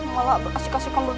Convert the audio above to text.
malah berkasih kasih kambar duaan